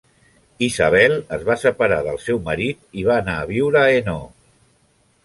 Isabel es va separar del seu marit i va anar a viure a Hainaut.